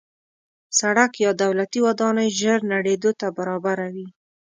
سړک یا دولتي ودانۍ ژر نړېدو ته برابره وي.